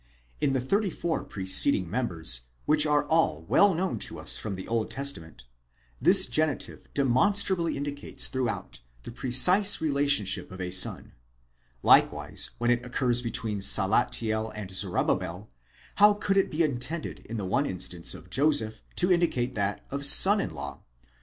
In the thirty four preceding members, which are well known to us from the Old Testament, this genitive demonstrably indicates throughout the precise relationship of a son; likewise when it occurs between Salathiel and Zorobabel: how could it be intended in the one imstance of Joseph to indicate that of son in law